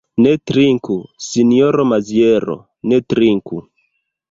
Ne trinku, sinjoro Maziero, ne trinku!